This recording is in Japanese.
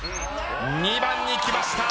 ２番にきました。